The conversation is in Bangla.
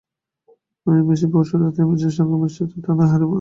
সেই মেসি পরশু রাতে এসপানিওলের সঙ্গে ম্যাচটাসহ টানা চার ম্যাচ গোলহীন।